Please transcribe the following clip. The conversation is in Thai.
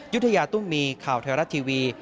ยุธยาตุ้มมีข่าวไทยรัฐทีวี